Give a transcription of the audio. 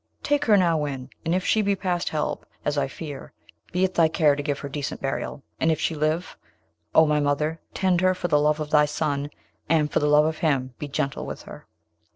Take her now in, and if she be past help, as I fear; be it thy care to give her decent burial; and if she live, O my mother, tend her for the love of thy son, and for the love of him be gentle with her.'